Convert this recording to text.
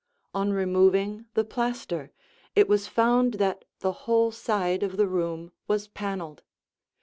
On removing the plaster, it was found that the whole side of the room was paneled.